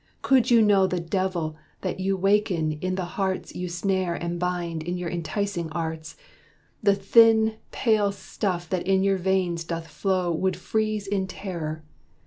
could you know The devil that you waken in the hearts You snare and bind in your enticing arts, The thin, pale stuff that in your veins doth flow Would freeze in terror.